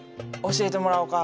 教えてもらおか。